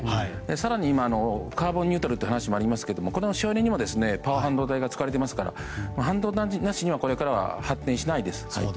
更に今、カーボンニュートラルの話もありますけどこれの使用にも半導体が使われていますから半導体なしにはこれからは発展しないです。